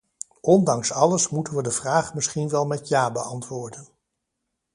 Ondanks alles moeten we de vraag misschien wel met ja beantwoorden.